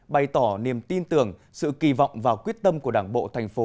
bày tỏ niềm tin tưởng sự kỳ vọng và quyết tâm của đảng bộ tp